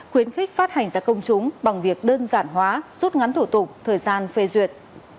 khuyến khích phát hành ra công chúng bằng việc đơn giản hóa rút ngắn thủ tục thời gian phê duyệt